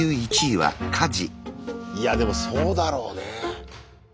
いやでもそうだろうね。